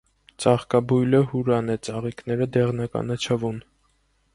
Ծաղկաբույլը հուրան է. ծաղիկները՝ դեղնականաչավուն։